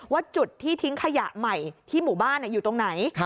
ว่าจุดที่ทิ้งขยะใหม่ที่หมู่บ้านอยู่ตรงไหน